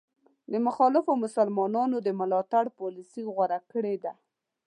د مخالفو مسلمانانو د ملاتړ پالیسي غوره کړې ده.